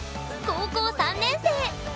高校３年生！